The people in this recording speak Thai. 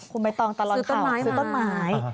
คุณใบตองตลอดเข่าซื้อต้นไม้